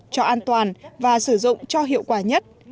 cho an toàn và sử dụng cho hiệu quả nhất